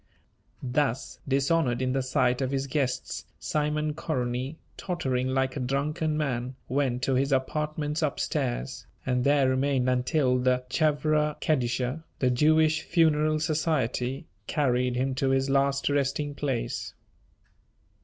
Thus dishonoured in the sight of his guests, Simon Koronyi, tottering like a drunken man, went to his apartments up stairs, and there remained until the "Chevra Kedisha," the Jewish Funeral Society, carried him to his last resting place.